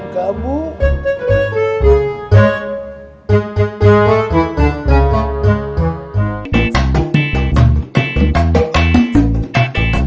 ga kuat apa